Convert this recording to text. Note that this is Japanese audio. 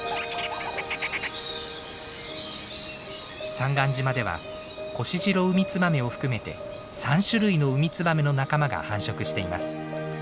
三貫島ではコシジロウミツバメを含めて３種類のウミツバメの仲間が繁殖しています。